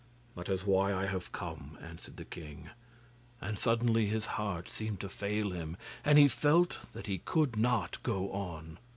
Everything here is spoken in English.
'That is why I have come,' answered the king; and suddenly his heart seemed to fail him and he felt that he could not go on.